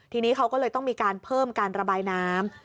ทีนี้เขาก็เลยต้องมีการเพิ่มการระบายน้ำ